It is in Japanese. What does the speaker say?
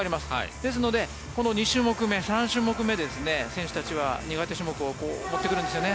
ですのでこの２種目目３種目目で選手たちは苦手種目を持ってくるんですよね。